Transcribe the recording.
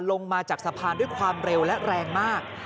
ลงมาจากสะพานด้วยความเร็วและแรงมาก